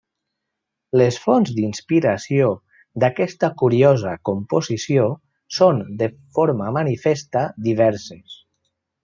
Les fonts d'inspiració d'aquesta curiosa composició són, de forma manifesta, diverses.